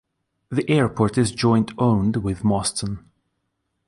The airport is joint owned with Mauston.